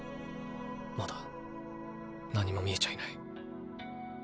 まだ何も見えちゃいない。